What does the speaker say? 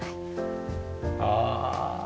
ああ。